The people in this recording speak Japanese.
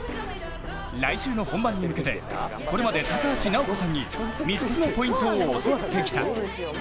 来週の本番に向けてこれまで高橋尚子さんに３つのポイントを教わってきた。